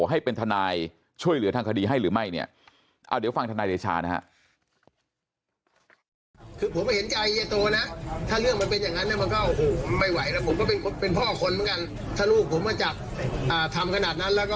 ให้เป็นทนายช่วยเหลือทางคดีให้หรือไม่เนี่ยเดี๋ยวฟังธนายเดชานะฮะ